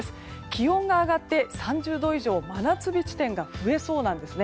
気温が上がって３０度以上真夏日地点が増えそうなんです。